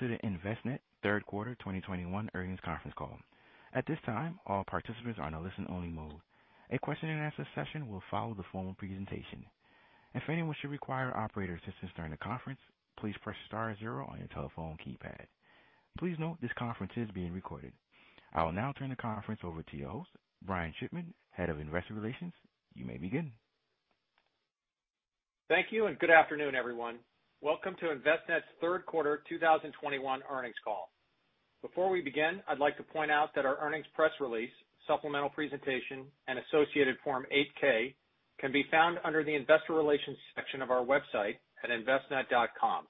To the Envestnet third quarter 2021 earnings conference call. At this time, all participants are in a listen-only mode. A question and answer session will follow the formal presentation. If anyone should require operator assistance during the conference, please press star zero on your telephone keypad. Please note this conference is being recorded. I will now turn the conference over to your host, Brian Shipman, Head of Investor Relations. You may begin. Thank you and good afternoon, everyone. Welcome to Envestnet's third quarter 2021 earnings call. Before we begin, I'd like to point out that our earnings press release, supplemental presentation, and associated Form 8-K can be found under the Investor Relations section of our website at envestnet.com.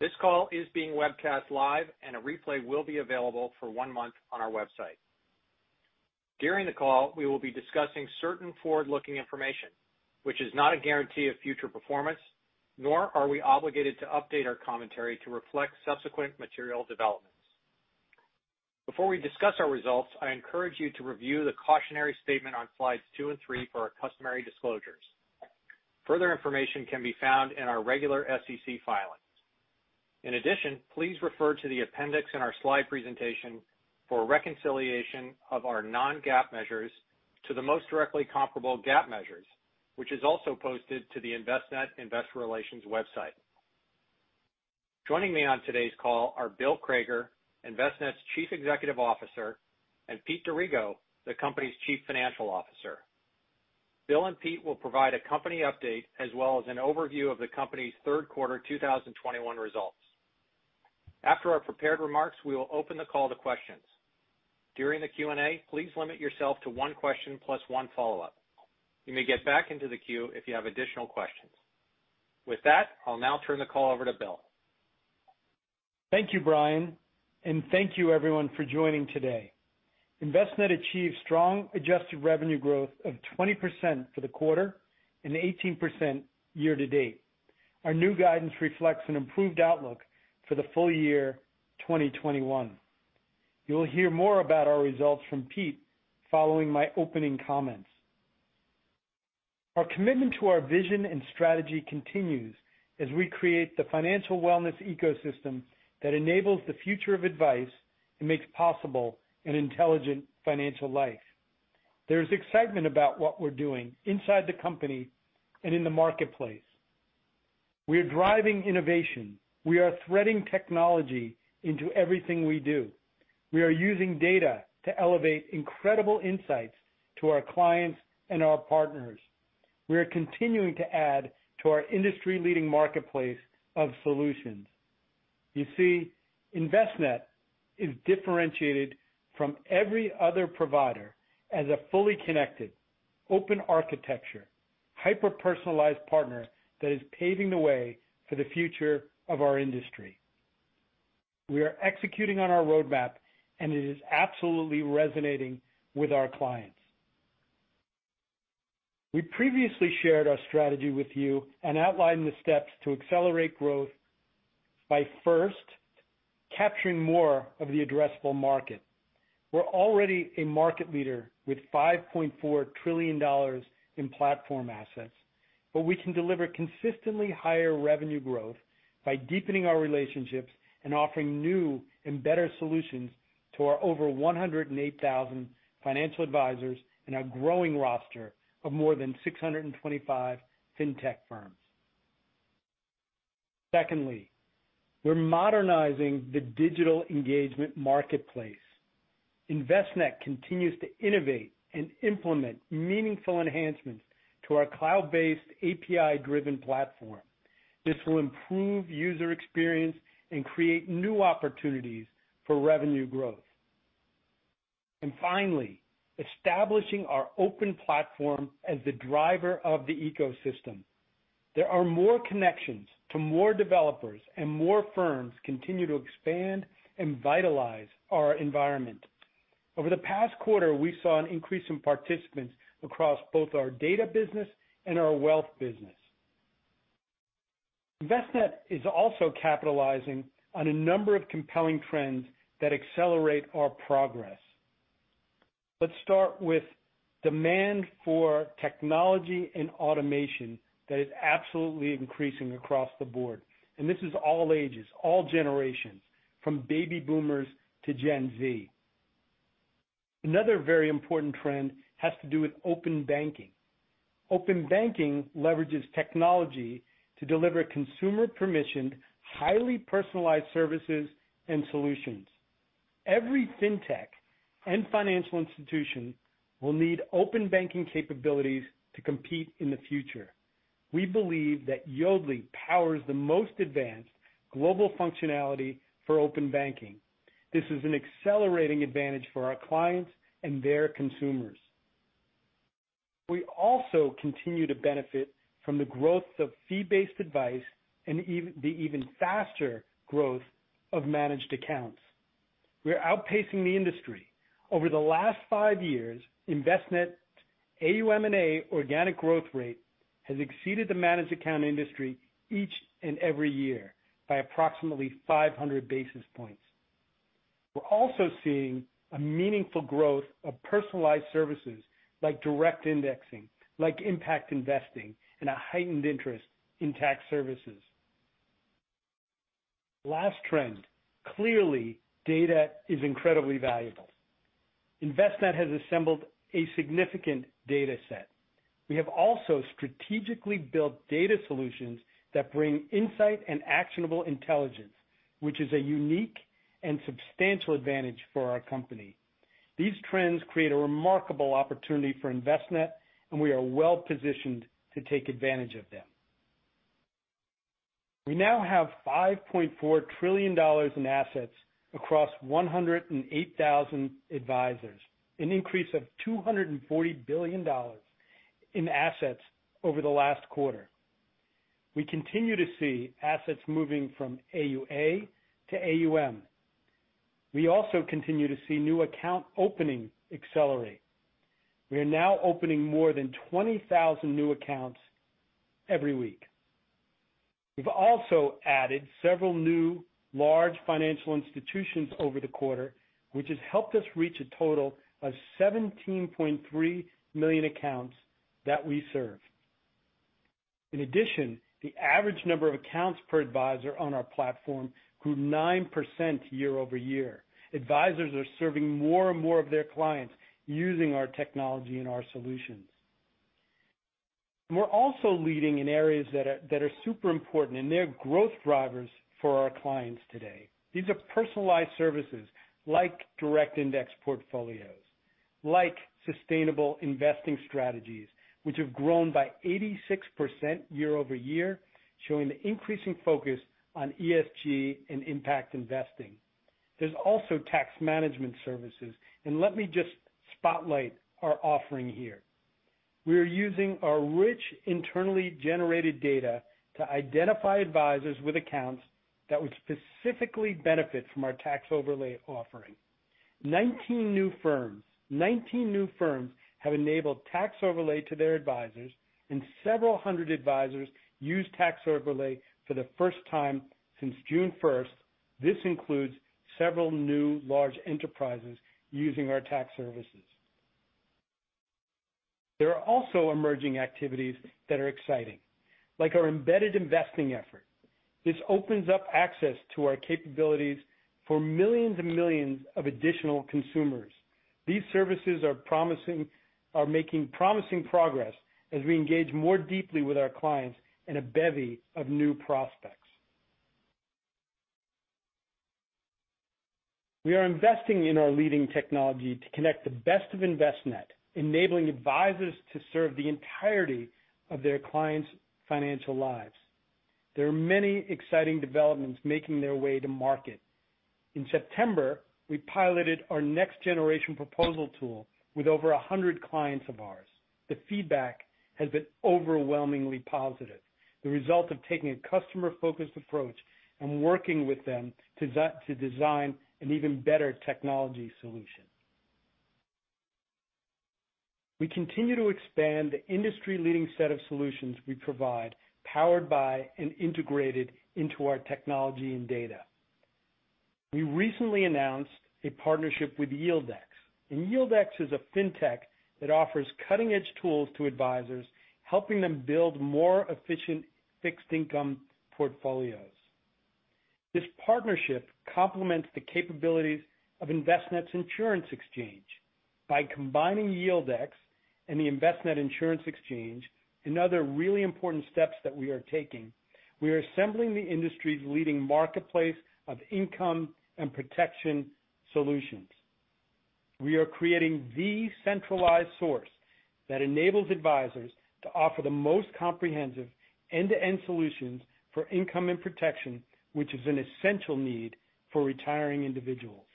This call is being webcast live, and a replay will be available for 1 month on our website. During the call, we will be discussing certain forward-looking information which is not a guarantee of future performance, nor are we obligated to update our commentary to reflect subsequent material developments. Before we discuss our results, I encourage you to review the cautionary statement on slides two and three for our customary disclosures. Further information can be found in our regular SEC filings. In addition, please refer to the appendix in our slide presentation for a reconciliation of our non-GAAP measures to the most directly comparable GAAP measures, which is also posted to the Envestnet Investor Relations website. Joining me on today's call are Bill Crager, Envestnet's Chief Executive Officer, and Pete D'Arrigo, the company's Chief Financial Officer. Bill and Pete will provide a company update as well as an overview of the company's third quarter 2021 results. After our prepared remarks, we will open the call to questions. During the Q&A please limit yourself to one question plus one follow-up. You may get back into the queue if you have additional questions. With that, I'll now turn the call over to Bill. Thank you, Brian, and thank you everyone for joining today. Envestnet achieved strong adjusted revenue growth of 20% for the quarter and 18% year to date. Our new guidance reflects an improved outlook for the full year 2021. You'll hear more about our results from Pete following my opening comments. Our commitment to our vision and strategy continues as we create the financial wellness ecosystem that enables the future of advice and makes possible an intelligent financial life. There's excitement about what we're doing inside the company and in the marketplace. We are driving innovation. We are threading technology into everything we do. We are using data to elevate incredible insights to our clients and our partners. We are continuing to add to our industry leading marketplace of solutions. You see, Envestnet is differentiated from every other provider as a fully connected, open architecture, hyper-personalized partner that is paving the way for the future of our industry. We are executing on our roadmap and it is absolutely resonating with our clients. We previously shared our strategy with you and outlined the steps to accelerate growth by first capturing more of the addressable market. We're already a market leader with $5.4 trillion in platform assets, but we can deliver consistently higher revenue growth by deepening our relationships and offering new and better solutions to our over 108,000 financial advisors and our growing roster of more than 625 fintech firms. Secondly, we're modernizing the digital engagement marketplace. Envestnet continues to innovate and implement meaningful enhancements to our cloud-based, API-driven platform. This will improve user experience and create new opportunities for revenue growth. Finally, establishing our open platform as the driver of the ecosystem. There are more connections to more developers and more firms continue to expand and vitalize our environment. Over the past quarter, we saw an increase in participants across both our data business and our wealth business. Envestnet is also capitalizing on a number of compelling trends that accelerate our progress. Let's start with demand for technology and automation that is absolutely increasing across the board, and this is all ages, all generations, from baby boomers to Gen Z. Another very important trend has to do with open banking. Open banking leverages technology to deliver consumer permissioned, highly personalized services and solutions. Every fintech and financial institution will need open banking capabilities to compete in the future. We believe that Yodlee powers the most advanced global functionality for open banking. This is an accelerating advantage for our clients and their consumers. We also continue to benefit from the growth of fee-based advice and the even faster growth of managed accounts. We are outpacing the industry. Over the last five years, Envestnet AUM&A organic growth rate has exceeded the managed account industry each and every year by approximately 500 basis points. We're also seeing a meaningful growth of personalized services like direct indexing, like impact investing, and a heightened interest in tax services. Last trend, clearly, data is incredibly valuable. Envestnet has assembled a significant data set. We have also strategically built data solutions that bring insight and actionable intelligence, which is a unique and substantial advantage for our company. These trends create a remarkable opportunity for Envestnet, and we are well-positioned to take advantage of them. We now have $5.4 trillion in assets across 108,000 advisors, an increase of $240 billion in assets over the last quarter. We continue to see assets moving from AUA to AUM. We also continue to see new account opening accelerate. We are now opening more than 20,000 new accounts every week. We've also added several new large financial institutions over the quarter, which has helped us reach a total of 17.3 million accounts that we serve. In addition, the average number of accounts per advisor on our platform grew 9% year-over-year. Advisors are serving more and more of their clients using our technology and our solutions. We're also leading in areas that are super important, and they're growth drivers for our clients today. These are personalized services like direct index portfolios, like sustainable investing strategies, which have grown by 86% year-over-year, showing the increasing focus on ESG and impact investing. There's also tax management services, and let me just spotlight our offering here. We are using our rich, internally generated data to identify advisors with accounts that would specifically benefit from our tax overlay offering. 19 new firms have enabled tax overlay to their advisors, and several hundred advisors used tax overlay for the first time since June 1st. This includes several new large enterprises using our tax services. There are also emerging activities that are exciting, like our embedded investing effort. This opens up access to our capabilities for millions and millions of additional consumers. These services are promising, are making promising progress as we engage more deeply with our clients in a bevy of new prospects. We are investing in our leading technology to connect the best of Envestnet, enabling advisors to serve the entirety of their clients' financial lives. There are many exciting developments making their way to market. In September, we piloted our next generation proposal tool with over a hundred clients of ours. The feedback has been overwhelmingly positive. The result of taking a customer-focused approach and working with them to design an even better technology solution. We continue to expand the industry-leading set of solutions we provide, powered by and integrated into our technology and data. We recently announced a partnership with YieldX. YieldX is a fintech that offers cutting-edge tools to advisors, helping them build more efficient fixed income portfolios. This partnership complements the capabilities of Envestnet's Insurance Exchange. By combining YieldX and the Envestnet Insurance Exchange, another really important steps that we are taking, we are assembling the industry's leading marketplace of income and protection solutions. We are creating the centralized source that enables advisors to offer the most comprehensive end-to-end solutions for income and protection, which is an essential need for retiring individuals.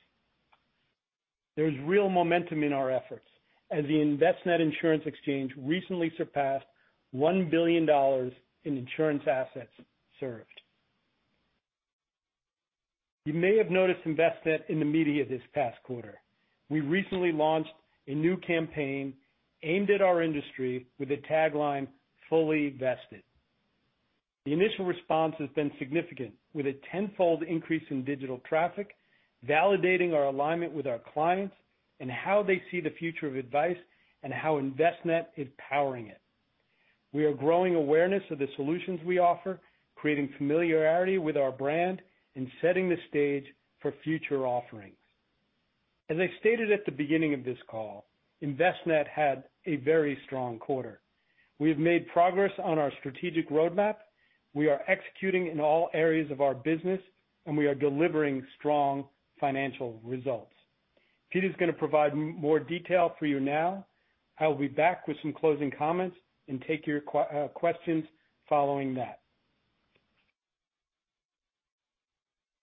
There's real momentum in our efforts, as the Envestnet Insurance Exchange recently surpassed $1 billion in insurance assets served. You may have noticed Envestnet in the media this past quarter. We recently launched a new campaign aimed at our industry with a tagline, Fully Vested. The initial response has been significant, with a tenfold increase in digital traffic, validating our alignment with our clients and how they see the future of advice and how Envestnet is powering it. We are growing awareness of the solutions we offer, creating familiarity with our brand, and setting the stage for future offerings. As I stated at the beginning of this call, Envestnet had a very strong quarter. We have made progress on our strategic roadmap. We are executing in all areas of our business, and we are delivering strong financial results. Pete is gonna provide more detail for you now. I'll be back with some closing comments and take your questions following that.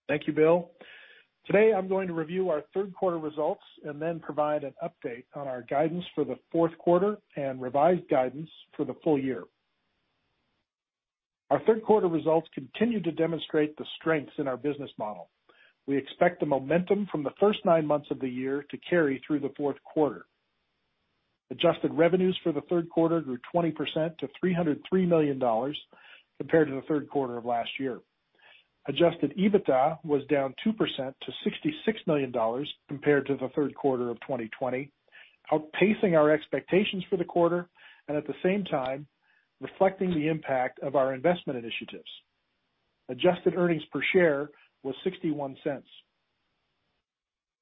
Thank you, Bill. Today, I'm going to review our third quarter results and then provide an update on our guidance for the fourth quarter and revised guidance for the full year. Our third quarter results continue to demonstrate the strengths in our business model. We expect the momentum from the first nine months of the year to carry through the fourth quarter. Adjusted revenues for the third quarter grew 20% to $303 million compared to the third quarter of last year. Adjusted EBITDA was down 2% to $66 million compared to the third quarter of 2020, outpacing our expectations for the quarter and at the same time reflecting the impact of our investment initiatives. Adjusted earnings per share was $0.61.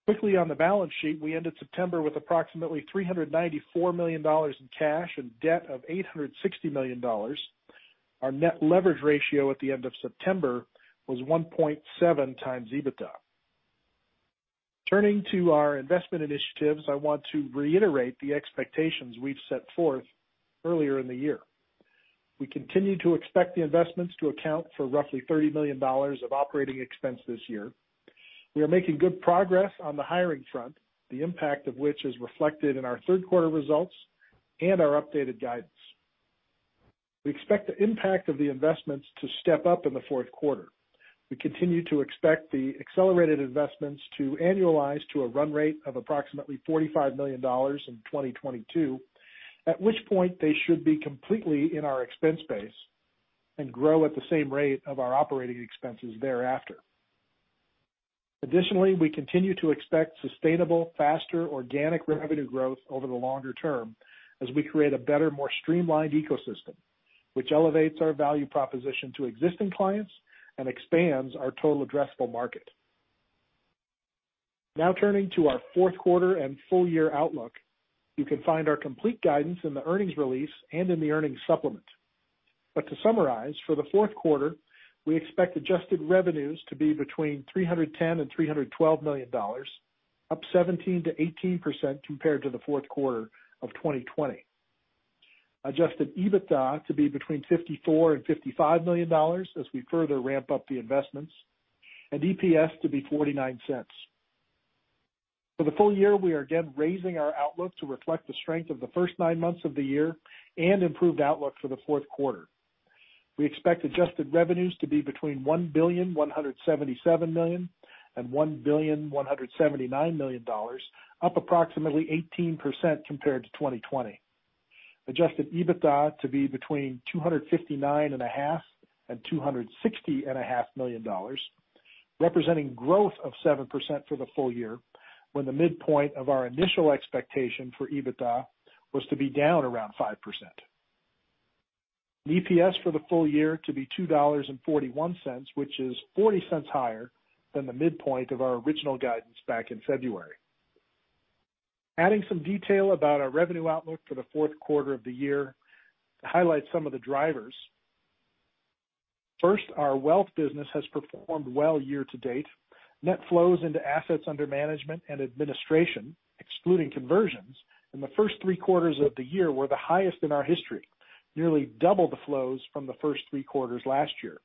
Quickly on the balance sheet, we ended September with approximately $394 million in cash and debt of $860 million. Our net leverage ratio at the end of September was 1.7 times EBITDA. Turning to our investment initiatives, I want to reiterate the expectations we've set forth earlier in the year. We continue to expect the investments to account for roughly $30 million of operating expense this year. We are making good progress on the hiring front, the impact of which is reflected in our third quarter results and our updated guidance. We expect the impact of the investments to step up in the fourth quarter. We continue to expect the accelerated investments to annualize to a run rate of approximately $45 million in 2022, at which point they should be completely in our expense base and grow at the same rate of our operating expenses thereafter. Additionally, we continue to expect sustainable, faster organic revenue growth over the longer term as we create a better, more streamlined ecosystem which elevates our value proposition to existing clients and expands our total addressable market. Now turning to our fourth quarter and full year outlook. You can find our complete guidance in the earnings release and in the earnings supplement. To summarize, for the fourth quarter, we expect adjusted revenues to be between $310 million-$312 million, up 17%-18% compared to the fourth quarter of 2020. Adjusted EBITDA to be between $54 million and $55 million as we further ramp up the investments, and EPS to be $0.49. For the full year, we are again raising our outlook to reflect the strength of the first nine months of the year and improved outlook for the fourth quarter. We expect adjusted revenues to be between $1.177 billion and $1.179 billion, up approximately 18% compared to 2020. Adjusted EBITDA to be between $259.5 million and $260.5 million, representing growth of 7% for the full year, when the midpoint of our initial expectation for EBITDA was to be down around 5%. EPS for the full year to be $2.41, which is $0.40 higher than the midpoint of our original guidance back in February. Adding some detail about our revenue outlook for the fourth quarter of the year to highlight some of the drivers. First, our wealth business has performed well year to date. Net flows into assets under management and administration, excluding conversions, in the first three quarters of the year were the highest in our history, nearly double the flows from the first three quarters last year.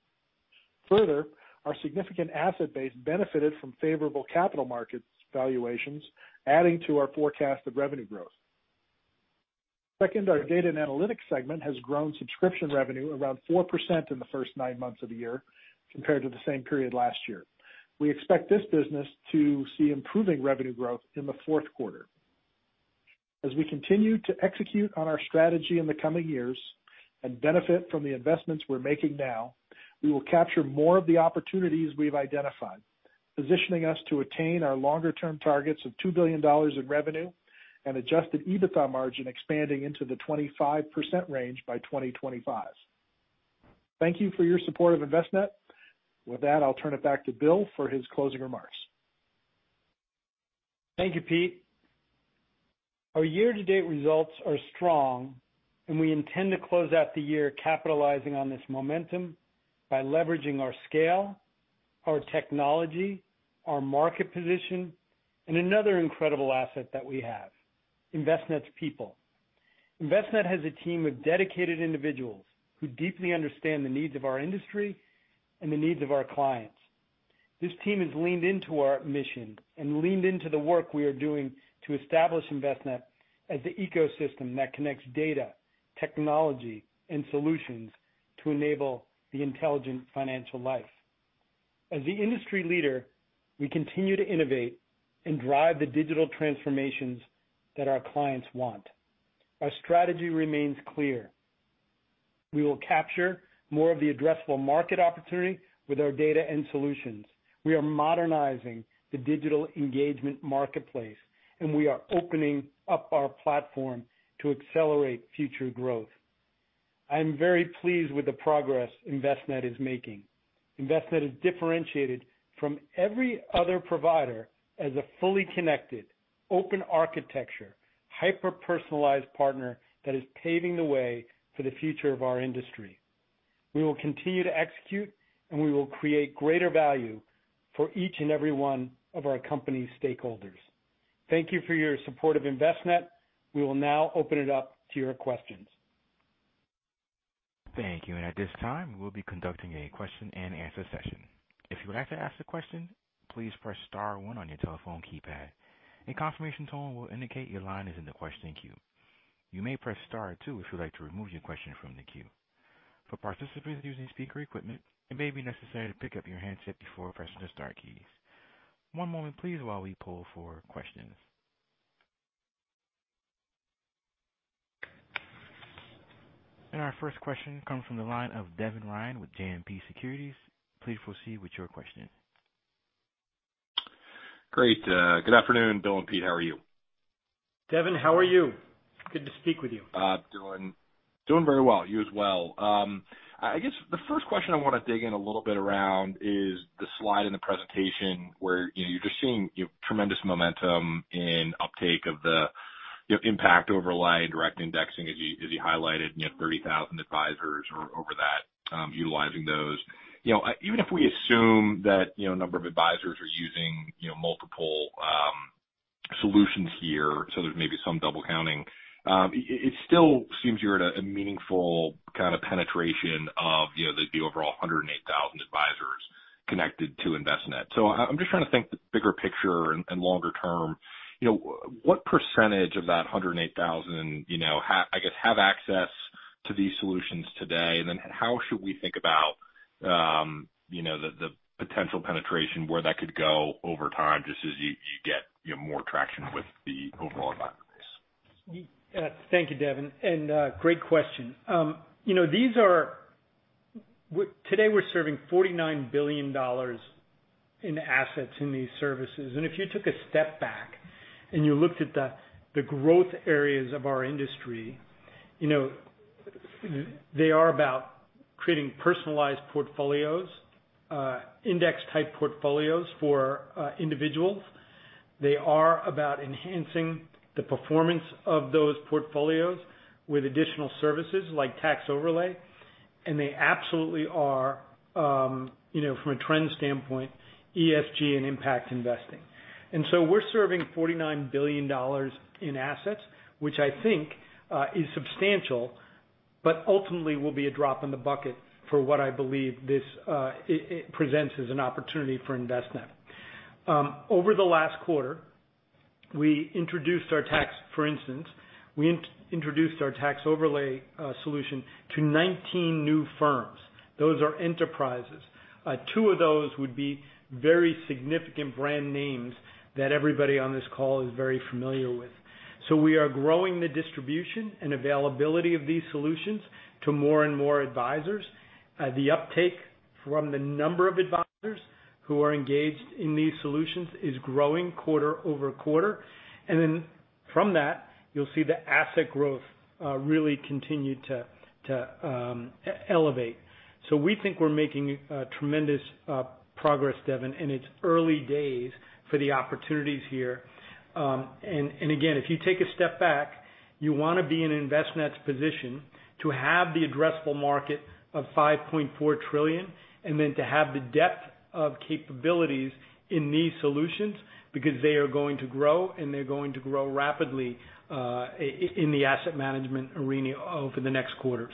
Further, our significant asset base benefited from favorable capital markets valuations, adding to our forecast of revenue growth. Second, our data and analytics segment has grown subscription revenue around 4% in the first nine months of the year compared to the same period last year. We expect this business to see improving revenue growth in the fourth quarter. As we continue to execute on our strategy in the coming years and benefit from the investments we're making now, we will capture more of the opportunities we've identified, positioning us to attain our longer-term targets of $2 billion in revenue and adjusted EBITDA margin expanding into the 25% range by 2025. Thank you for your support of Envestnet. With that, I'll turn it back to Bill for his closing remarks. Thank you, Pete. Our year-to-date results are strong and we intend to close out the year capitalizing on this momentum by leveraging our scale, our technology, our market position, and another incredible asset that we have, Envestnet's people. Envestnet has a team of dedicated individuals who deeply understand the needs of our industry and the needs of our clients. This team has leaned into our mission and leaned into the work we are doing to establish Envestnet as the ecosystem that connects data, technology, and solutions to enable the intelligent financial life. As the industry leader, we continue to innovate and drive the digital transformations that our clients want. Our strategy remains clear. We will capture more of the addressable market opportunity with our data and solutions. We are modernizing the digital engagement marketplace, and we are opening up our platform to accelerate future growth. I am very pleased with the progress Envestnet is making. Envestnet is differentiated from every other provider as a fully connected, open architecture, hyper-personalized partner that is paving the way for the future of our industry. We will continue to execute, and we will create greater value for each and every one of our company stakeholders. Thank you for your support of Envestnet. We will now open it up to your questions. Thank you. At this time, we'll be conducting a question-and-answer session. If you would like to ask a question, please press star one on your telephone keypad. A confirmation tone will indicate your line is in the question queue. You may press star two if you'd like to remove your question from the queue. For participants using speaker equipment, it may be necessary to pick up your handset before pressing the star keys. One moment, please, while we pull for questions. Our first question comes from the line of Devin Ryan with JMP Securities. Please proceed with your question. Great. Good afternoon, Bill and Pete. How are you? Devin, how are you? Good to speak with you. Doing very well. You as well. I guess the first question I want to dig in a little bit around is the slide in the presentation where, you know, you're just seeing tremendous momentum and uptake of the, you know, impact overlay and direct indexing as you highlighted, you know, 30,000 advisors or over that, utilizing those. You know, even if we assume that, you know, a number of advisors are using, you know, multiple solutions here, so there's maybe some double counting, it still seems you're at a meaningful kind of penetration of, you know, the overall 108,000 advisors connected to Envestnet. I'm just trying to think the bigger picture and longer term, you know, what percentage of that 108,000, you know, I guess, have access to these solutions today? How should we think about, you know, the potential penetration where that could go over time just as you get, you know, more traction with the overall advice? Thank you, Devin, and great question. You know, these are today we're serving $49 billion in assets in these services. If you took a step back and you looked at the growth areas of our industry, you know, they are about creating personalized portfolios, index-type portfolios for individuals. They are about enhancing the performance of those portfolios with additional services like tax overlay. They absolutely are, you know, from a trend standpoint, ESG and impact investing. We're serving $49 billion in assets, which I think is substantial, but ultimately will be a drop in the bucket for what I believe this it presents as an opportunity for Envestnet. Over the last quarter, for instance, we introduced our tax overlay solution to 19 new firms. Those are enterprises. Two of those would be very significant brand names that everybody on this call is very familiar with. We are growing the distribution and availability of these solutions to more and more advisors. The uptake from the number of advisors who are engaged in these solutions is growing quarter-over-quarter. Then from that, you'll see the asset growth really continue to elevate. We think we're making tremendous progress, Devin, and it's early days for the opportunities here. Again, if you take a step back, you want to be in Envestnet's position to have the addressable market of $5.4 trillion, and then to have the depth of capabilities in these solutions because they are going to grow, and they're going to grow rapidly in the asset management arena over the next quarters.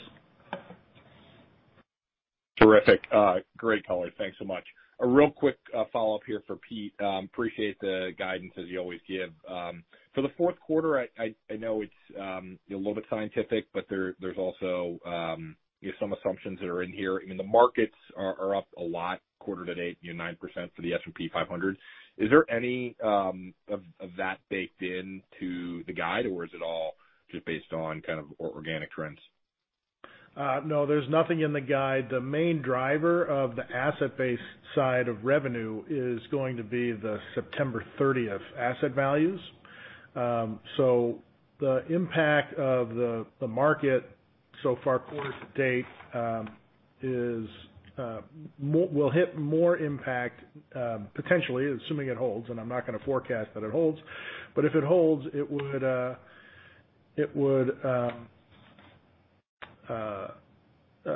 Terrific. Great color. Thanks so much. A real quick follow-up here for Pete. Appreciate the guidance as you always give. For the fourth quarter, I know it's a little bit scientific, but there's also some assumptions that are in here. I mean, the markets are up a lot quarter to date, you know, 9% for the S&P 500. Is there any of that baked into the guide, or is it all just based on kind of organic trends? No, there's nothing in the guide. The main driver of the asset-based side of revenue is going to be the September 30 asset values. The impact of the market so far quarter to date will have more impact potentially, assuming it holds, and I'm not going to forecast that it holds, but if it holds, it would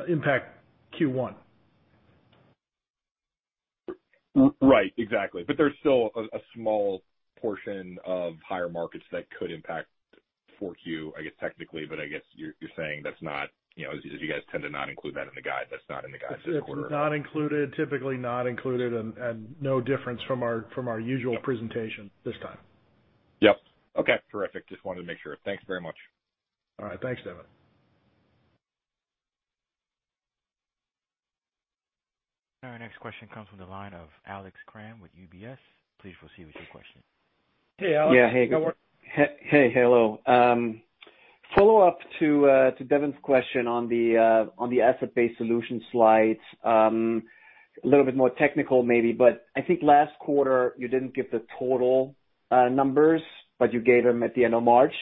impact Q1. Right. Exactly. There's still a small portion of higher markets that could impact 4Q, I guess, technically, but I guess you're saying that's not, you know, as you guys tend to not include that in the guide, that's not in the guide for this quarter. It's not included, typically not included, and no difference from our usual presentation this time. Yep. Okay. Terrific. Just wanted to make sure. Thanks very much. All right. Thanks, Devin. Our next question comes from the line of Alex Kramm with UBS. Please proceed with your question. Hey, Alex. Yeah. Hey. Good work. Hello. Follow-up to Devin's question on the asset-based solution slides. A little bit more technical maybe, but I think last quarter you didn't give the total numbers, but you gave them at the end of March.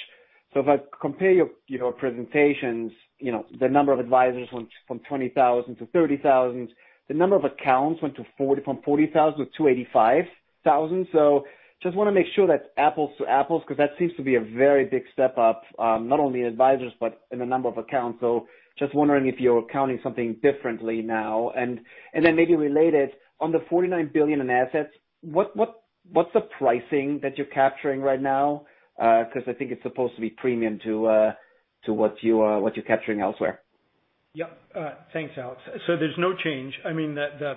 If I compare your presentations, you know, the number of advisors went from 20,000 to 30,000, the number of accounts went from 40,000 to 285,000. Just wanna make sure that's apples to apples, because that seems to be a very big step up, not only in advisors, but in the number of accounts. Just wondering if you're counting something differently now. Then maybe related, on the $49 billion in assets, what's the pricing that you're capturing right now? Because I think it's supposed to be premium to what you're capturing elsewhere. Yep. Thanks, Alex. There's no change. I mean, the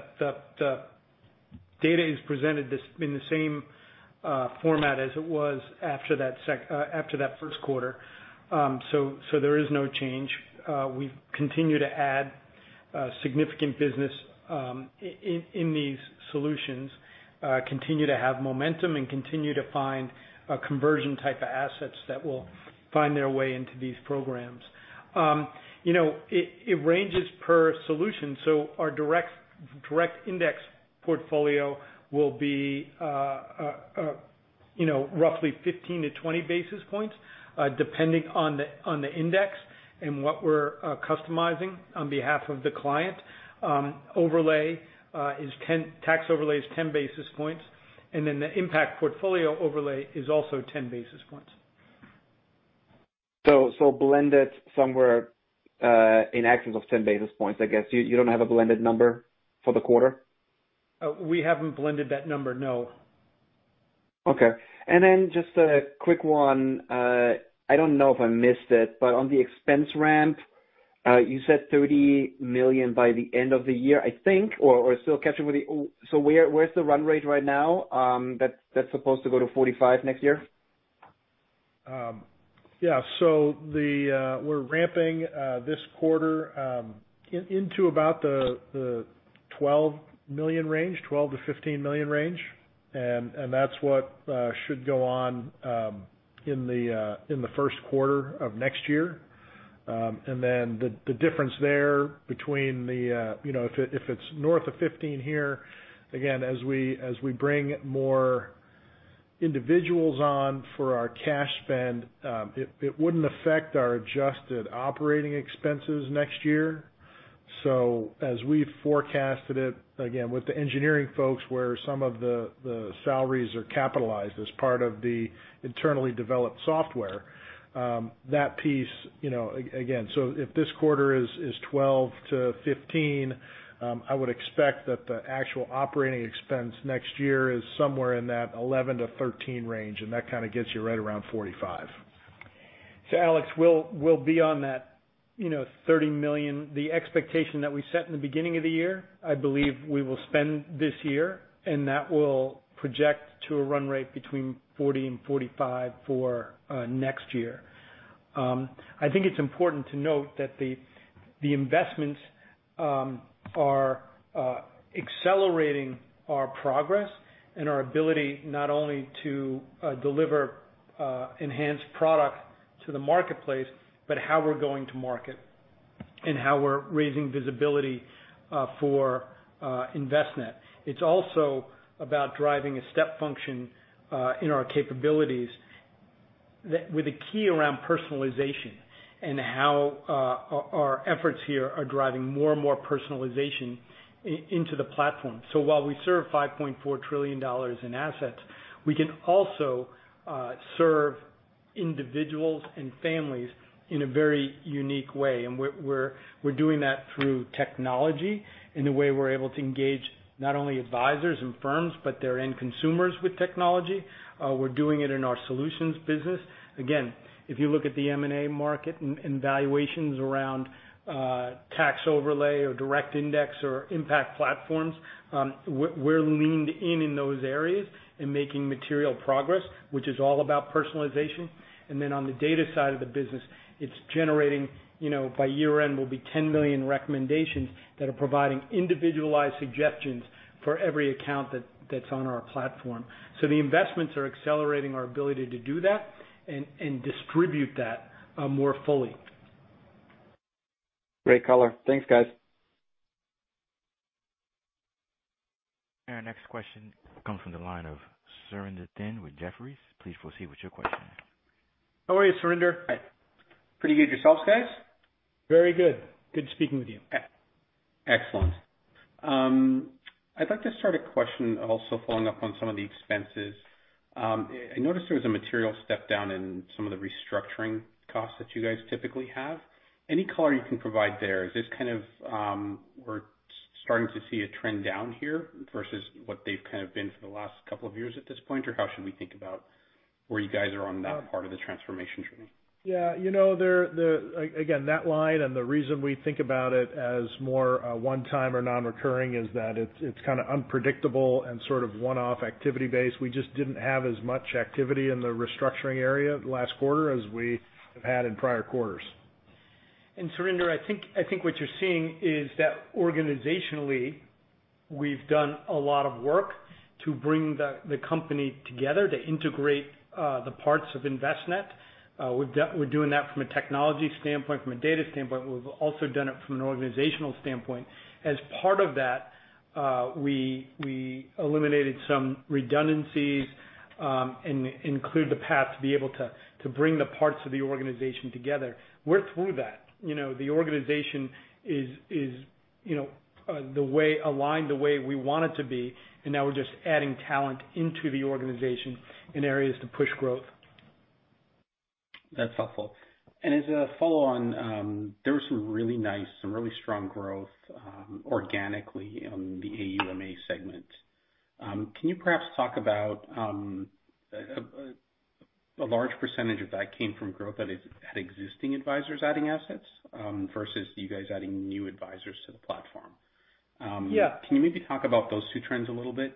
data is presented this in the same format as it was after that first quarter. There is no change. We've continued to add significant business in these solutions, continue to have momentum and continue to find a conversion type of assets that will find their way into these programs. You know, it ranges per solution. Our direct index portfolio will be, you know, roughly 15-20 basis points, depending on the index and what we're customizing on behalf of the client. Overlay is ten. Tax overlay is 10 basis points, and then the impact overlay is also 10 basis points. Blended somewhere in excess of 10 basis points, I guess. You don't have a blended number for the quarter? We haven't blended that number, no. Okay. Then just a quick one. I don't know if I missed it, but on the expense ramp, you said $30 million by the end of the year, I think, or still catching with the. Where's the run rate right now, that's supposed to go to $45 million next year? Yeah. We're ramping this quarter into about the $12 million range, $12 million-$15 million range. That's what should go on in the first quarter of next year. Then the difference there between the you know, if it's north of $15 million here, again, as we bring more individuals on for our cash spend, it wouldn't affect our adjusted operating expenses next year. As we forecasted it, again, with the engineering folks, where some of the salaries are capitalized as part of the internally developed software, that piece, you know, again. If this quarter is $12 million-$15 million, I would expect that the actual operating expense next year is somewhere in that $11 million-$13 million range, and that kinda gets you right around $45 million. Alex, we'll be on that, you know, $30 million. The expectation that we set in the beginning of the year, I believe we will spend this year, and that will project to a run rate between $40 million and $45 million for next year. I think it's important to note that the investments are accelerating our progress and our ability not only to deliver enhanced product to the marketplace, but how we're going to market and how we're raising visibility for Envestnet. It's also about driving a step function in our capabilities with a key around personalization and how our efforts here are driving more and more personalization into the platform. While we serve $5.4 trillion in assets, we can also serve individuals and families in a very unique way. We're doing that through technology in the way we're able to engage not only advisors and firms, but their end consumers with technology. We're doing it in our solutions business. Again, if you look at the M&A market and valuations around tax overlay or direct indexing or impact overlay, we're leaned in in those areas and making material progress, which is all about personalization. Then on the data side of the business, it's generating by year-end will be $10 million recommendations that are providing individualized suggestions for every account that's on our platform. The investments are accelerating our ability to do that and distribute that more fully. Great color. Thanks, guys. Our next question comes from the line of Surinder Thind with Jefferies. Please proceed with your question. How are you, Surinder? Hi. Pretty good. Yourselves, guys? Very good. Good speaking with you. Excellent. I'd like to start a question also following up on some of the expenses. I noticed there was a material step down in some of the restructuring costs that you guys typically have. Any color you can provide there? Is this kind of, we're starting to see a trend down here versus what they've kind of been for the last couple of years at this point, or how should we think about where you guys are on that part of the transformation journey? Yeah. You know, that line and the reason we think about it as more one-time or non-recurring is that it's kinda unpredictable and sort of one-off activity based. We just didn't have as much activity in the restructuring area last quarter as we have had in prior quarters. Surinder, I think what you're seeing is that organizationally, we've done a lot of work to bring the company together to integrate the parts of Envestnet. We're doing that from a technology standpoint, from a data standpoint. We've also done it from an organizational standpoint. As part of that, we eliminated some redundancies, and cleared the path to be able to bring the parts of the organization together. We're through that. You know, the organization is aligned the way we want it to be, and now we're just adding talent into the organization in areas to push growth. That's helpful. As a follow-on, there was some really strong growth organically on the AUMA segment. Can you perhaps talk about a large percentage of that came from growth at existing advisors adding assets versus you guys adding new advisors to the platform. Yeah. Can you maybe talk about those two trends a little bit?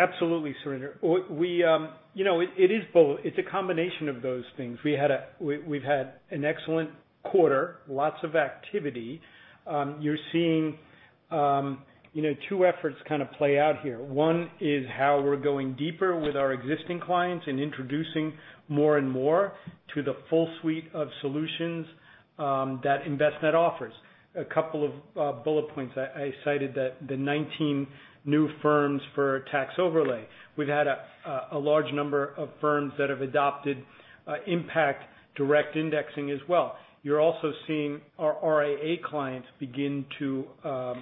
Absolutely, Surinder. It is both. It's a combination of those things. We've had an excellent quarter, lots of activity. You're seeing two efforts kind of play out here. One is how we're going deeper with our existing clients and introducing more and more to the full suite of solutions that Envestnet offers. A couple of bullet points. I cited that the 19 new firms for tax overlay. We've had a large number of firms that have adopted Impact Direct Indexing as well. You're also seeing our RIA clients begin to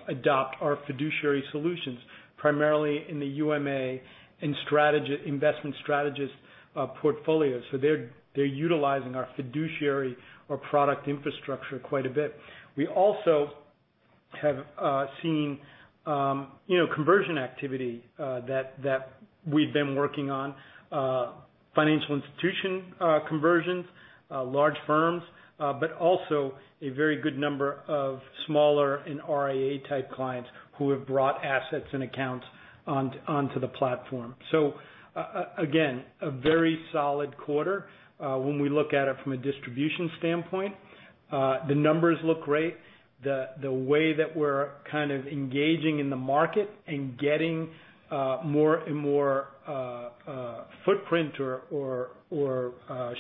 adopt our fiduciary solutions, primarily in the UMA and investment strategist portfolios. They're utilizing our fiduciary or product infrastructure quite a bit. We also have seen, you know, conversion activity that we've been working on, financial institution conversions, large firms, but also a very good number of smaller and RIA-type clients who have brought assets and accounts onto the platform. Again, a very solid quarter when we look at it from a distribution standpoint. The numbers look great. The way that we're kind of engaging in the market and getting more and more footprint or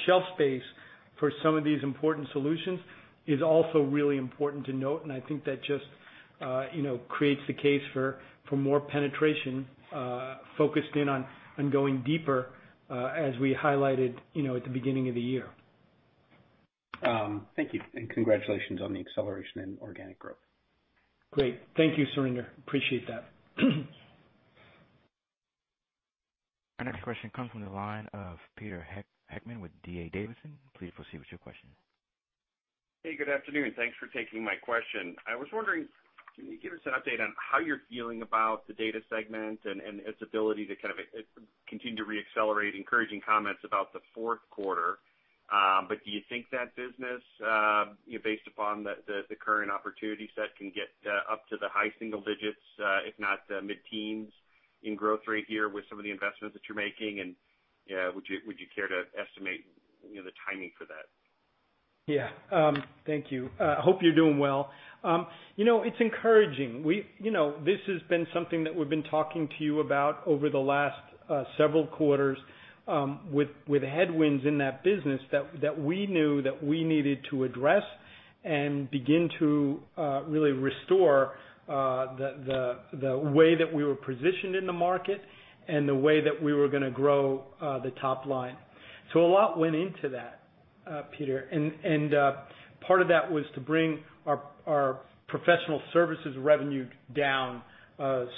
shelf space for some of these important solutions is also really important to note, and I think that just, you know, creates the case for more penetration focused in on going deeper as we highlighted, you know, at the beginning of the year. Thank you, and congratulations on the acceleration in organic growth. Great. Thank you, Surinder. Appreciate that. Our next question comes from the line of Peter Heckmann with D.A. Davidson. Please proceed with your question. Hey, good afternoon. Thanks for taking my question. I was wondering, can you give us an update on how you're feeling about the data segment and its ability to kind of continue to re-accelerate, encouraging comments about the fourth quarter. Do you think that business, you know, based upon the current opportunity set, can get up to the high single digits, if not the mid-teens in growth rate here with some of the investments that you're making? Would you care to estimate, you know, the timing for that? Yeah. Thank you. Hope you're doing well. You know, it's encouraging. You know, this has been something that we've been talking to you about over the last several quarters with headwinds in that business that we knew that we needed to address and begin to really restore the way that we were positioned in the market and the way that we were gonna grow the top line. A lot went into that, Peter. Part of that was to bring our professional services revenue down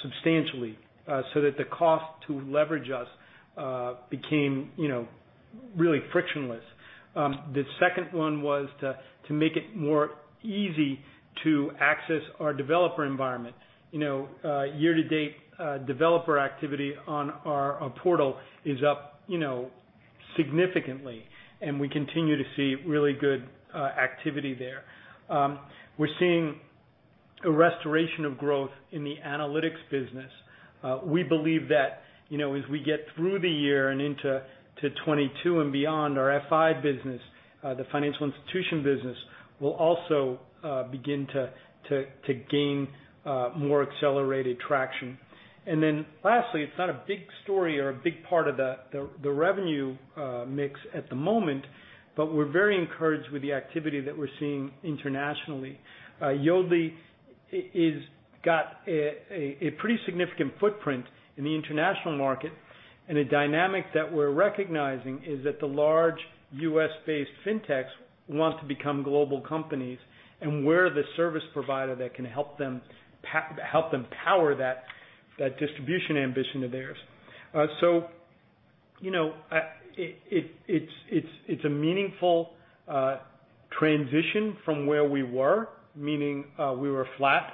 substantially so that the cost to leverage us became, you know, really frictionless. The second one was to make it more easy to access our developer environment. You know, year to date, developer activity on our portal is up, you know, significantly, and we continue to see really good activity there. We're seeing a restoration of growth in the analytics business. We believe that, you know, as we get through the year and into 2022 and beyond, our FI business, the financial institution business, will also begin to gain more accelerated traction. Then lastly, it's not a big story or a big part of the revenue mix at the moment, but we're very encouraged with the activity that we're seeing internationally. Yodlee has got a pretty significant footprint in the international market, and a dynamic that we're recognizing is that the large U.S.-based fintechs want to become global companies, and we're the service provider that can help them power that distribution ambition of theirs. You know, it's a meaningful transition from where we were, meaning we were flat.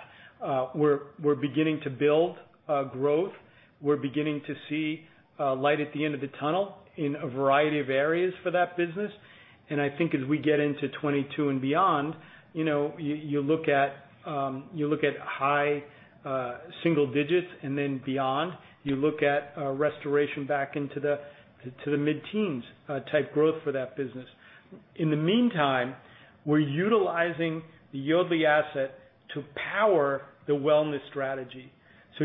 We're beginning to build growth. We're beginning to see light at the end of the tunnel in a variety of areas for that business. I think as we get into 2022 and beyond, you know, you look at high single digits and then beyond. You look at restoration back into the mid-teens type growth for that business. In the meantime, we're utilizing the Yodlee asset to power the wellness strategy.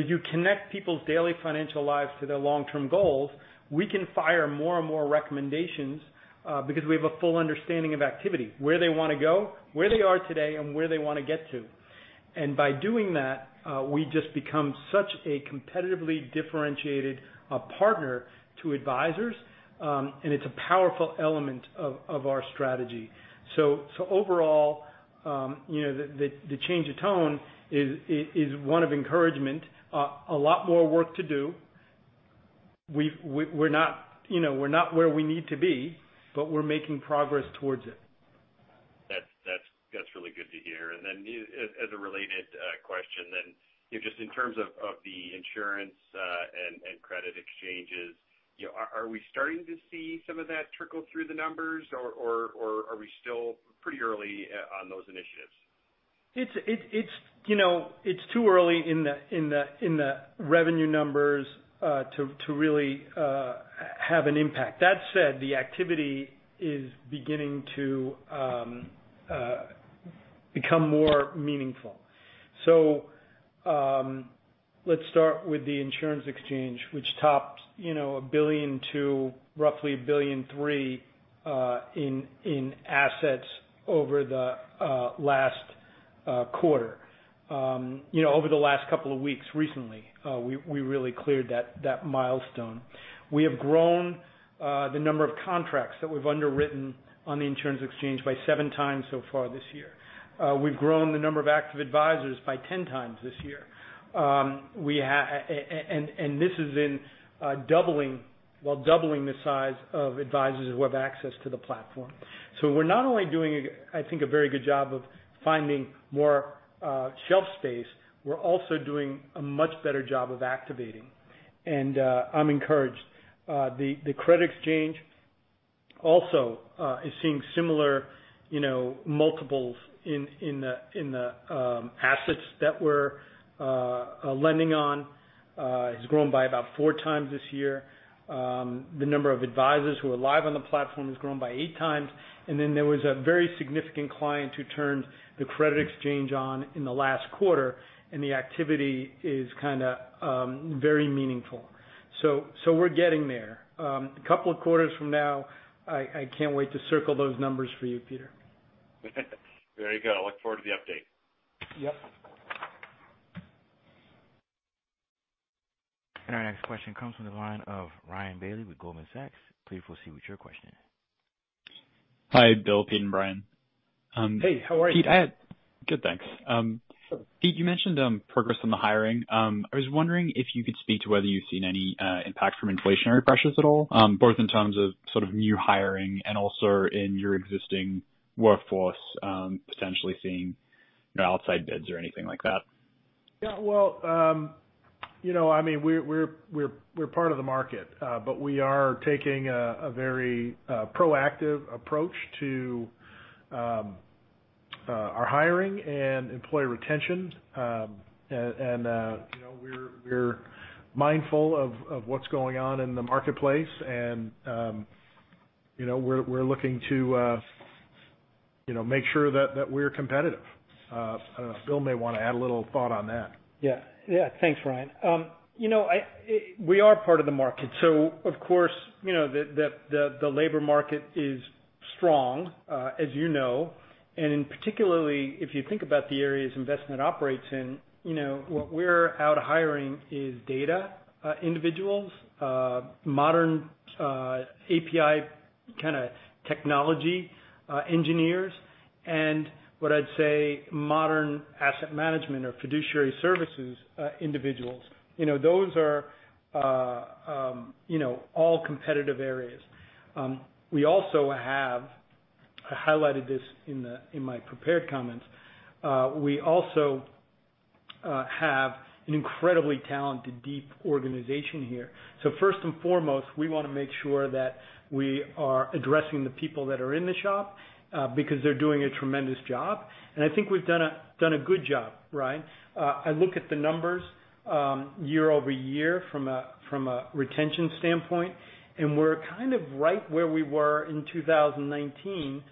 As you connect people's daily financial lives to their long-term goals, we can fire more and more recommendations because we have a full understanding of activity, where they wanna go, where they are today, and where they wanna get to. By doing that, we just become such a competitively differentiated partner to advisors, and it's a powerful element of our strategy. Overall, you know, the change of tone is one of encouragement. A lot more work to do. We're not, you know, where we need to be, but we're making progress towards it. That's really good to hear. Then, as a related question then, you know, just in terms of the insurance and credit exchanges, you know, are we starting to see some of that trickle through the numbers, or are we still pretty early on those initiatives? You know, it's too early in the revenue numbers to really have an impact. That said, the activity is beginning to become more meaningful. Let's start with the Insurance Exchange, which topped, you know, $1 billion to roughly $1.3 billion in assets over the last quarter. You know, over the last couple of weeks recently, we really cleared that milestone. We have grown the number of contracts that we've underwritten on the Insurance Exchange by seven times so far this year. We've grown the number of active advisors by 10 times this year. This is while doubling the size of advisors who have access to the platform. We're not only doing, I think, a very good job of finding more shelf space, we're also doing a much better job of activating. I'm encouraged. The Credit Exchange also is seeing similar, you know, multiples in the assets that we're lending on. It's grown by about four times this year. The number of advisors who are live on the platform has grown by eight times. Then there was a very significant client who turned the Credit Exchange on in the last quarter, and the activity is kinda very meaningful. We're getting there. A couple of quarters from now, I can't wait to circle those numbers for you, Peter. Very good. I look forward to the update. Yep. Our next question comes from the line of Ryan Bailey with Goldman Sachs. Please proceed with your question. Hi, Bill, Pete, and Brian. Hey, how are you? Good, thanks. Pete, you mentioned progress on the hiring. I was wondering if you could speak to whether you've seen any impact from inflationary pressures at all, both in terms of sort of new hiring and also in your existing workforce, potentially seeing, you know, outside bids or anything like that. Yeah, well, you know, I mean, we're part of the market, but we are taking a very proactive approach to our hiring and employee retention. You know, we're mindful of what's going on in the marketplace and, you know, we're looking to, you know, make sure that we're competitive. I don't know, Bill may wanna add a little thought on that. Yeah. Yeah. Thanks, Ryan. We are part of the market, so of course, you know, the labor market is strong, as you know. Particularly if you think about the areas Envestnet operates in, you know, what we're out hiring is data individuals, modern API kinda technology engineers, and what I'd say modern asset management or fiduciary services individuals. You know, those are, you know, all competitive areas. I highlighted this in my prepared comments. We also have an incredibly talented, deep organization here. First and foremost, we wanna make sure that we are addressing the people that are in the shop, because they're doing a tremendous job. I think we've done a good job, Ryan. I look at the numbers, year over year from a retention standpoint, and we're kind of right where we were in 2019,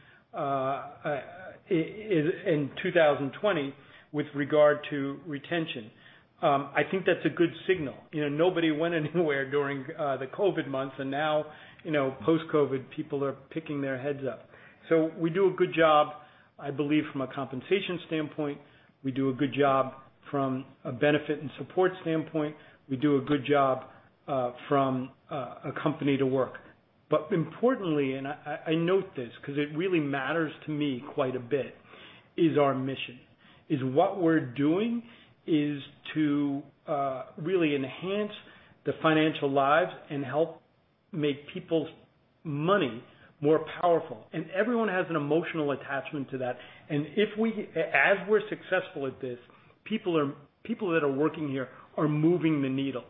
in 2020 with regard to retention. I think that's a good signal. You know, nobody went anywhere during the COVID months, and now, you know, post-COVID, people are picking their heads up. We do a good job, I believe, from a compensation standpoint. We do a good job from a benefit and support standpoint. We do a good job from a company to work. Importantly, and I note this 'cause it really matters to me quite a bit, is our mission, what we're doing is to really enhance the financial lives and help make people's money more powerful. Everyone has an emotional attachment to that. As we're successful at this, people that are working here are moving the needle.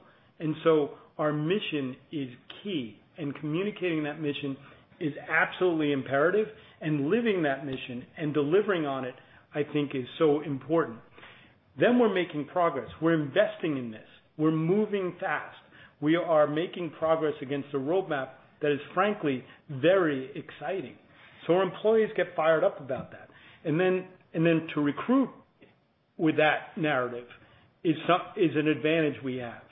Our mission is key, and communicating that mission is absolutely imperative. Living that mission and delivering on it, I think is so important. We're making progress. We're investing in this. We're moving fast. We are making progress against a roadmap that is, frankly, very exciting. Our employees get fired up about that. To recruit with that narrative is an advantage we have.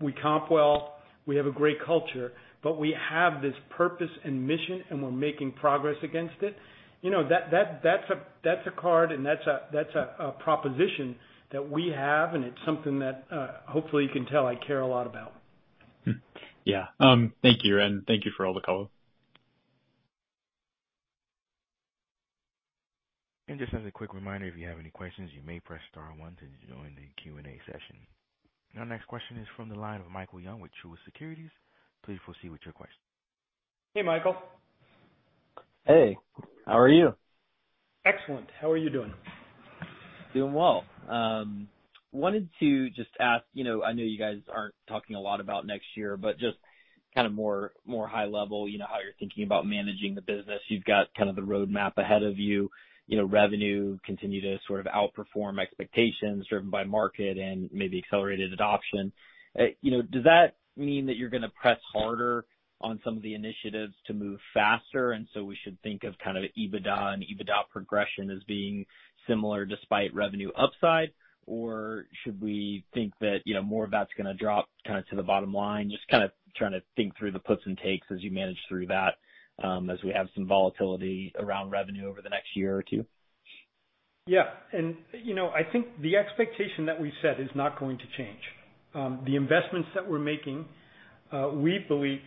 We comp well, we have a great culture, but we have this purpose and mission, and we're making progress against it. You know, that's a proposition that we have, and it's something that hopefully you can tell I care a lot about. Hmm. Yeah. Thank you. Thank you for all the color. Just as a quick reminder, if you have any questions, you may press star one to join the Q&A session. Our next question is from the line of Michael Young with Truist Securities. Please proceed with your question. Hey, Michael. Hey, how are you? Excellent. How are you doing? Doing well. Wanted to just ask, you know, I know you guys aren't talking a lot about next year, but just kinda more high level, you know, how you're thinking about managing the business. You've got kind of the roadmap ahead of you. You know, revenue continue to sort of outperform expectations driven by market and maybe accelerated adoption. You know, does that mean that you're gonna press harder on some of the initiatives to move faster, and so we should think of kind of EBITDA and EBITDA progression as being similar despite revenue upside? Or should we think that, you know, more of that's gonna drop kinda to the bottom line? Just kinda trying to think through the puts and takes as you manage through that, as we have some volatility around revenue over the next year or two. Yeah. You know, I think the expectation that we set is not going to change. The investments that we're making, we believe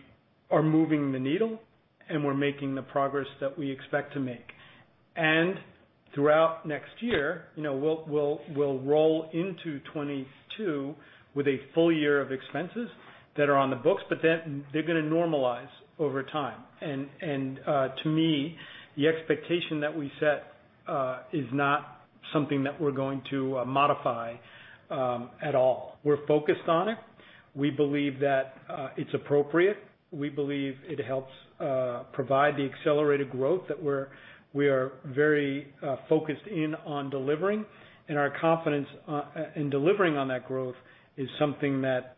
are moving the needle, and we're making the progress that we expect to make. Throughout next year, you know, we'll roll into 2022 with a full year of expenses that are on the books, but then they're gonna normalize over time. To me, the expectation that we set is not something that we're going to modify at all. We're focused on it. We believe that it's appropriate. We believe it helps provide the accelerated growth that we are very focused in on delivering. Our confidence in delivering on that growth is something that,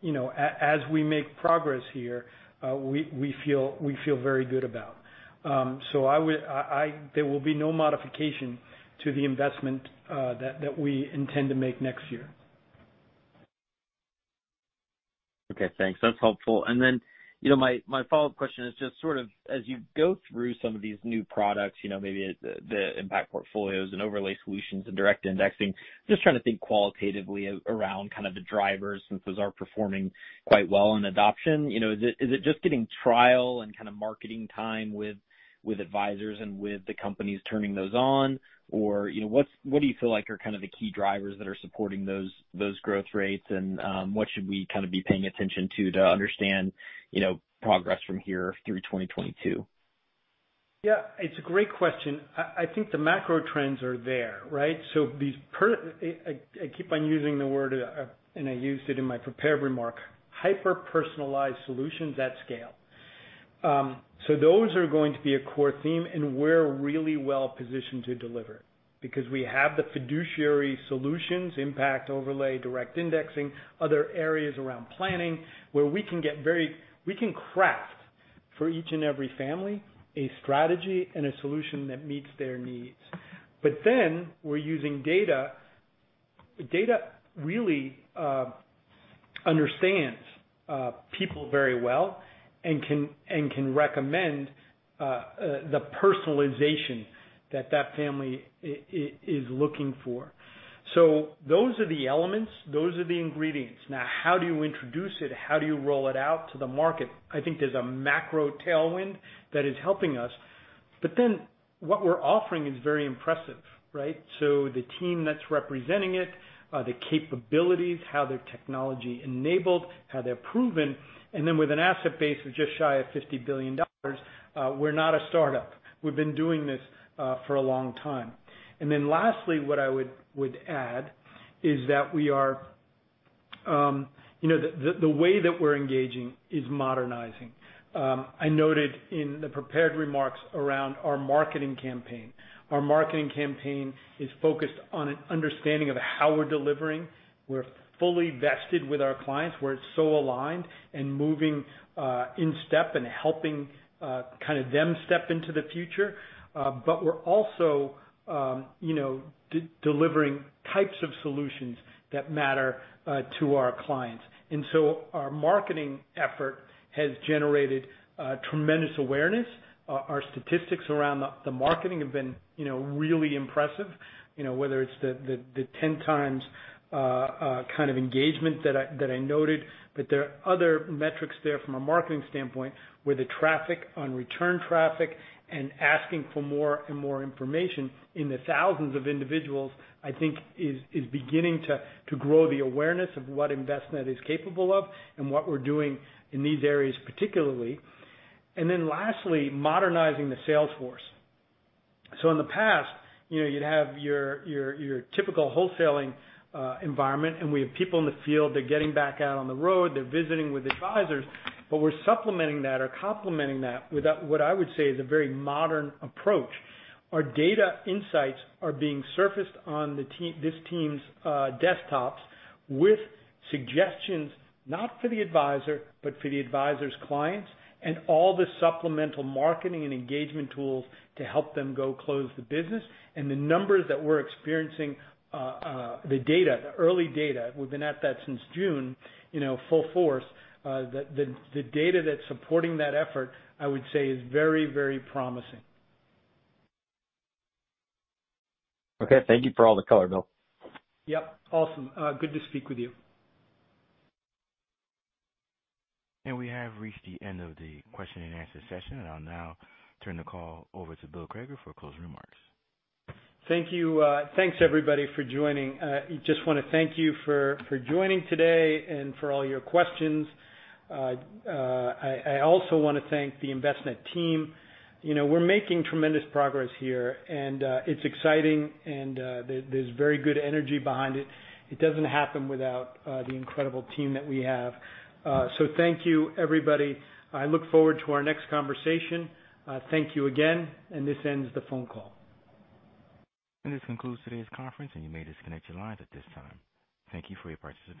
you know, as we make progress here, we feel very good about. There will be no modification to the investment that we intend to make next year. Okay, thanks. That's helpful. You know, my follow-up question is just sort of as you go through some of these new products, you know, maybe the impact portfolios and overlay solutions and direct indexing, just trying to think qualitatively around kind of the drivers since those are performing quite well in adoption. You know, is it just getting trial and kinda marketing time with advisors and with the companies turning those on? Or, you know, what do you feel like are kind of the key drivers that are supporting those growth rates? What should we kinda be paying attention to understand, you know, progress from here through 2022? Yeah, it's a great question. I think the macro trends are there, right? I keep on using the word, and I used it in my prepared remark, hyper-personalized solutions at scale. Those are going to be a core theme, and we're really well-positioned to deliver because we have the fiduciary solutions, impact overlay, direct indexing, other areas around planning where we can craft for each and every family a strategy and a solution that meets their needs. We're using data. Data really understands people very well and can recommend the personalization that family is looking for. Those are the elements, those are the ingredients. Now, how do you introduce it? How do you roll it out to the market? I think there's a macro tailwind that is helping us. What we're offering is very impressive, right? The team that's representing it, the capabilities, how they're technology-enabled, how they're proven, and then with an asset base of just shy of $50 billion, we're not a startup. We've been doing this for a long time. Lastly, what I would add is that we are. You know, the way that we're engaging is modernizing. I noted in the prepared remarks around our marketing campaign. Our marketing campaign is focused on an understanding of how we're delivering. We're Fully Vested with our clients, we're so aligned and moving in step and helping kinda them step into the future. We're also, you know, delivering types of solutions that matter to our clients. Our marketing effort has generated tremendous awareness. Our statistics around the marketing have been, you know, really impressive. You know, whether it's the 10 times kind of engagement that I noted, but there are other metrics there from a marketing standpoint where the traffic on return traffic and asking for more and more information in the thousands of individuals, I think is beginning to grow the awareness of what Envestnet is capable of and what we're doing in these areas particularly. Then lastly, modernizing the sales force. In the past, you'd have your typical wholesaling environment, and we have people in the field, they're getting back out on the road, they're visiting with advisors, but we're supplementing that or complementing that with what I would say is a very modern approach. Our data insights are being surfaced on this team's desktops with suggestions not for the advisor, but for the advisor's clients, and all the supplemental marketing and engagement tools to help them go close the business. The numbers that we're experiencing, the data, the early data, we've been at that since June full force. The data that's supporting that effort, I would say is very promising. Okay. Thank you for all the color, Bill. Yep. Awesome. Good to speak with you. We have reached the end of the question and answer session, and I'll now turn the call over to Bill Crager for closing remarks. Thank you. Thanks, everybody, for joining. Just wanna thank you for joining today and for all your questions. I also wanna thank the Envestnet team. You know, we're making tremendous progress here, and it's exciting and there's very good energy behind it. It doesn't happen without the incredible team that we have. Thank you, everybody. I look forward to our next conversation. Thank you again, and this ends the phone call. This concludes today's conference, and you may disconnect your lines at this time. Thank you for your participation.